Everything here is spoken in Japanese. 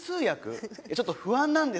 ちょっと不安なんですけど。